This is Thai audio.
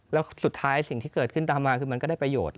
แล้วสุดท้ายสิ่งที่เกิดขึ้นตามมาคือมันก็ได้ประโยชน์